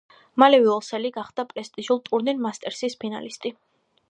მალევე უელსელი გახდა პრესტიჟულ ტურნირ მასტერსის ფინალისტი.